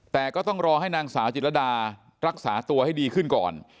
แต่ก็ต้องรอให้นางสาวจิตรดารักษาตัวให้ดีขึ้นก่อน